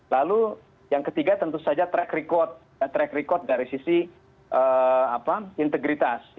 lalu yang ketiga tentu saja track record dari sisi integritas